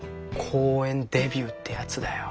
公園デビューってやつだよ。